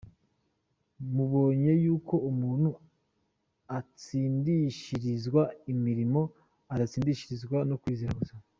Mubonye yuko umuntu atsindishirizwa n'imirimo, adatsindishirizwa no kwizera gusa.